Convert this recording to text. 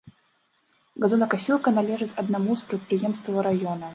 Газонакасілка належыць аднаму з прадпрыемстваў раёна.